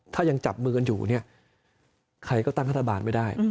ถ้ายังจับมือกันอยู่เนี่ยใครก็ตั้งรัฐบาลไม่ได้